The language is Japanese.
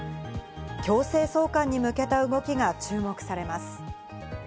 強制送還に向けた動きが注目されます。